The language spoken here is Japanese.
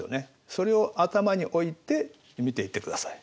それを頭に置いて見ていってください。